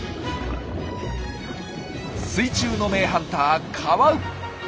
水中の名ハンターカワウ。